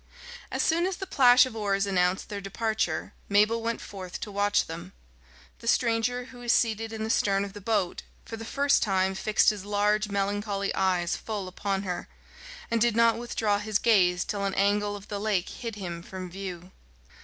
As soon as the plash of oars announced their departure, Mabel went forth to watch them. The stranger, who was seated in the stern of the boat, for the first time fixed his large melancholy eyes full upon her, and did not withdraw his gaze till an angle of the lake hid him from view.